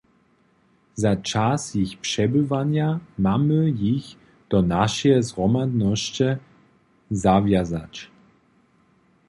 Za čas jich přebywanja mamy jich do našeje zhromadnosće zawjazać.